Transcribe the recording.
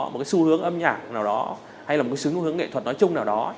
một cái xu hướng âm nhạc nào đó hay là một cái sứ xu hướng nghệ thuật nói chung nào đó